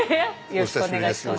よろしくお願いします。